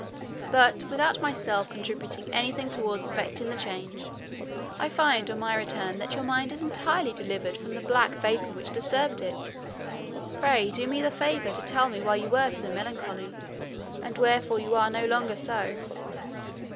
But without myself contributing anything towards effecting the change, I find on my return that your mind is entirely delivered from the black vapour which disturbed it. Pray do me the favour to tell me why you were so melancholy, and wherefore you are no longer so."